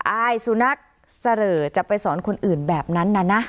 อายสุนัขเสลอจะไปสอนคนอื่นแบบนั้นนะนะ